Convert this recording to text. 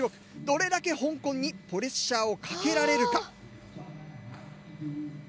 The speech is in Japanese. どれだけ香港にプレッシャーをかけられるか？